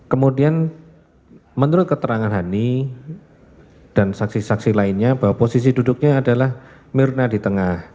kemudian menurut keterangan hani dan saksi saksi lainnya bahwa posisi duduknya adalah mirna di tengah